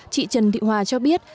chị trần thị hòa cho biết